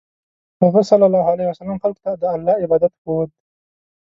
هغه ﷺ خلکو ته د الله عبادت ښوود.